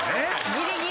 ギリギリ。